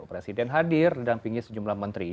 presiden hadir ledang pinggir sejumlah menteri